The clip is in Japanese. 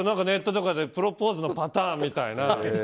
ネットとかでプロポーズのパターンみたいな。